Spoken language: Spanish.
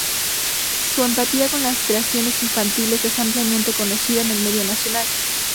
Su empatía con las creaciones infantiles es ampliamente conocida en el medio nacional.